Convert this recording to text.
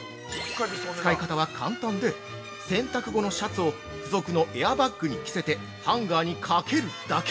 使い方は簡単で洗濯後のシャツを付属のエアバッグに着せてハンガーに掛けるだけ。